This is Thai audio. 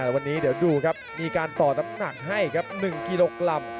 วันนี้เดี๋ยวดูครับมีการต่อน้ำหนักให้ครับ๑กิโลกรัม